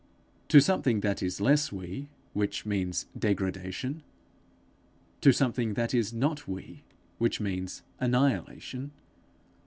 to something that is less we, which means degradation? to something that is not we, which means annihilation?